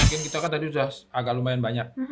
mungkin kita kan tadi sudah agak lumayan banyak